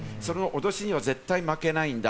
脅しには絶対負けないんだ。